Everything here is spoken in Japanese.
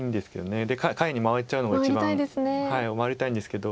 下辺に回れちゃうのが一番回りたいんですけど。